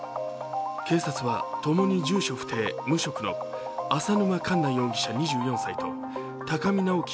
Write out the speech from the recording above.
警察はともに住所不定・無職の淺沼かんな容疑者２４歳と高見直輝